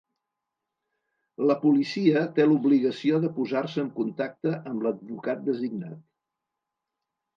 La policia té l’obligació de posar-se en contacte amb l’advocat designat.